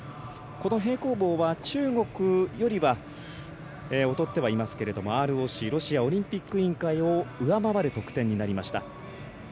この平行棒は中国よりは劣ってはいますがＲＯＣロシアオリンピック委員会を上回る得点になりました。